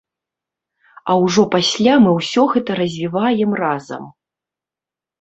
А ўжо пасля мы ўсё гэта развіваем разам.